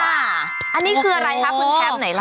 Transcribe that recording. อันนี้คืออะไรครับคุณแชมป์ไหนล่ะ